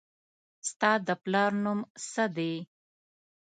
ستا د پلار نوم څه دي